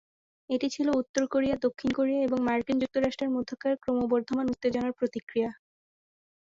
এটি ছিলো উত্তর কোরিয়া, দক্ষিণ কোরিয়া এবং মার্কিন যুক্তরাষ্ট্র মধ্যকার ক্রমবর্ধমান উত্তেজনার প্রতিক্রিয়া।